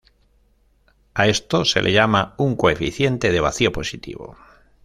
A esto se le llama un "coeficiente de vacío positivo".